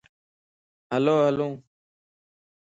ھلو ھلان